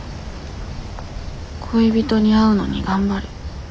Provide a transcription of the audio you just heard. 恋人に会うのに頑張る。